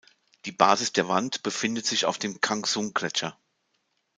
Die Basis der Wand befindet sich auf dem Kangshung-Gletscher.